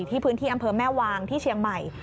ที่พื้นที่อำเภอแม่วางที่เชียงใหม่